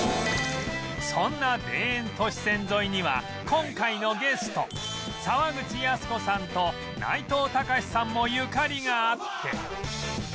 そんな田園都市線沿いには今回のゲスト沢口靖子さんと内藤剛志さんもゆかりがあって